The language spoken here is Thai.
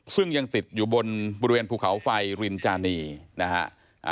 ซึ่งยังติดอยู่บนบริเวณภูเขาไฟรินจานีนะฮะ